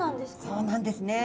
そうなんですね。